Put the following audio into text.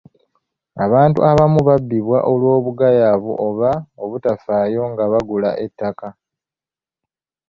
Abantu abamu babbibwa olw'obugayaavu oba obutafaayo nga bagula ettaka.